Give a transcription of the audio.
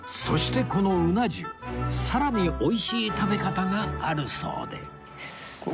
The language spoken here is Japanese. そしてこのうな重さらに美味しい食べ方があるそうで